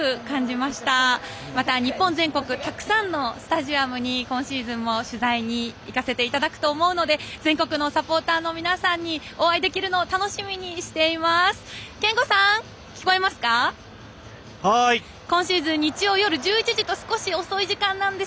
また日本全国たくさんのスタジアムに今シーズンも取材に行かせていただくと思うので全国のサポーターの皆さんにお会いできるのを楽しみにしています。